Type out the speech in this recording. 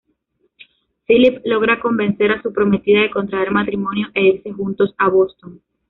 Philip logra convencer a su prometida de contraer matrimonio e irse juntos a Boston.